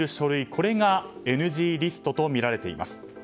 これがＮＧリストとみられています。